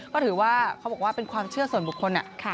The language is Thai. ก็ถือว่าเขาบอกว่าเป็นความเชื่อส่วนบุคคล